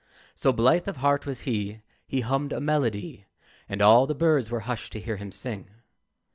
So blithe of heart was he, He hummed a melody, And all the birds were hushed to hear him sing.